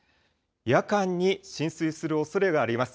夜間に浸水するおそれがあります。